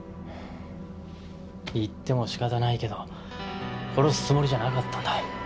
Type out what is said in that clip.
言っても仕方ないけど殺すつもりじゃなかったんだ。